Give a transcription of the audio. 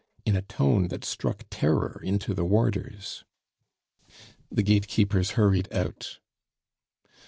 in a tone that struck terror into the warders. The gatekeepers hurried out.